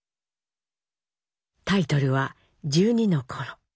タイトルは「１２の頃」。